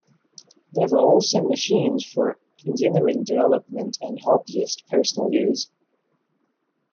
There were also machines for engineering development and hobbyist personal use.